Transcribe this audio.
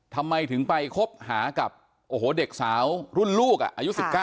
ทำไมถึงไปคบหากับเด็กสาวรุ่นลูกอ่ะอายุ๑๙อ่ะ